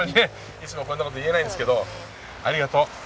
いつもこんな事言えないんですけどありがとう。